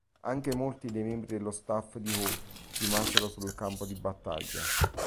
Anche molti dei membri dello staff di Howe rimasero sul campo di battaglia.